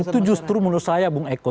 itu justru menurut saya bung eko